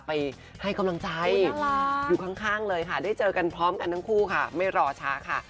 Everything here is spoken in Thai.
ไปให้กำลังใจอยู่ข้างเลยค่ะได้เจอกันพร้อมกันทั้งคู่ค่ะไม่รอช้าค่ะ